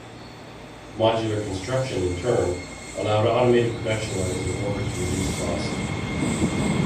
Modular construction, in turn, allowed automated production lines in order to reduce cost.